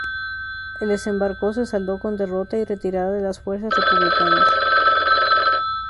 El desembarco se saldó con la derrota y retirada de las fuerzas republicanas.